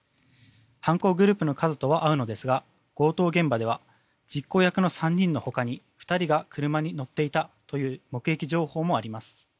犯行グループの数とは合いますが強盗現場では実行役の３人の他に２人が車に乗っていたという目撃情報もあります。